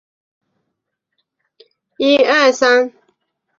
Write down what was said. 圣路易斯二号是位于美国亚利桑那州皮马县的一个非建制地区。